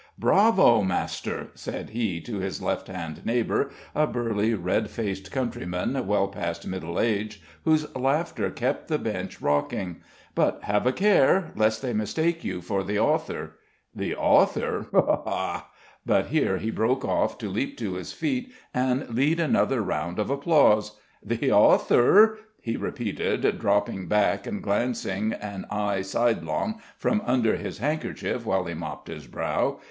"Bravo, master!" said he to his left hand neighbour a burly, red faced countryman well past middle age, whose laughter kept the bench rocking. "But have a care, lest they mistake you for the author!" "The author? Ho ho!" but here he broke off to leap to his feet and lead another round of applause. "The author?" he repeated, dropping back and glancing an eye sidelong from under his handkerchief while he mopped his brow.